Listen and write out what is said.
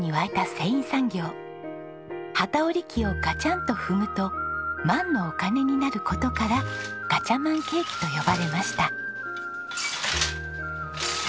機織り機をガチャンと踏むと万のお金になる事からガチャマン景気と呼ばれました。